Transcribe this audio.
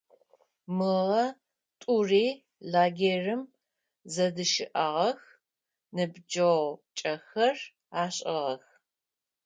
Мыгъэ тӏури лагерым зэдыщыӏагъэх, ныбджэгъукӏэхэр ашӏыгъэх.